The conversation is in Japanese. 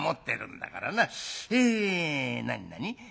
え何何？